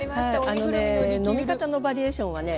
あのね飲み方のバリエーションはね